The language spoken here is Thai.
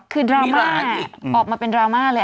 คือดราม่าออกมาเป็นดราม่าเลย